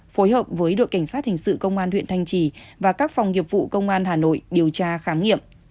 phối hợp với đội cảnh sát hình sự công an huyện thanh trì và các phòng nghiệp vụ công an hà nội điều tra khám nghiệm